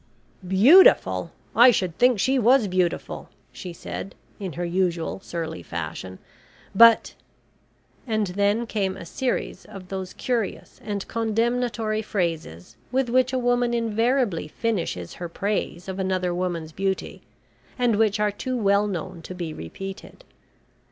"Beautiful! I should think she was beautiful," she said, in her usual surly fashion. "But," and then came a series of those curious and condemnatory phrases with which a woman invariably finishes her praise of another woman's beauty, and which are too well known to be repeated.